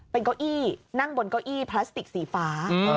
เป็นเก้าอี้นั่งบนเก้าอี้พลาสติกสีฟ้า